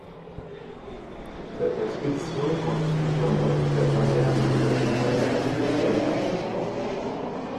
Cette expédition constitue néanmoins la première navigation polaire solaire de l'histoire.